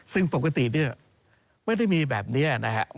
ซึ่งปกติเนี่ยไม่ได้มีแบบนี้นะครับ